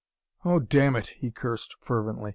"Oh, damn it!" he cursed fervently.